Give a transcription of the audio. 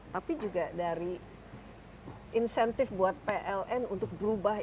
tapi juga dari insentif buat pln untuk berubah